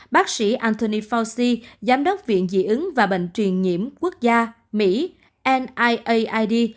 bác sĩ anthony fauci giám đốc viện dị ứng và bệnh truyền nhiễm quốc gia mỹ miaid